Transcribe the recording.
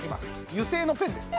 油性のペンです